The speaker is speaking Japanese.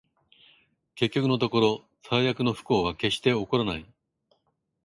結局のところ、最悪の不幸は決して起こらない